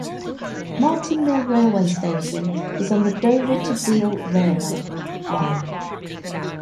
Martin Mill railway station is on the Dover to Deal railway line.